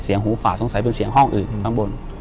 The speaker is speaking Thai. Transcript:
หูฝ่าสงสัยเป็นเสียงห้องอื่นข้างบน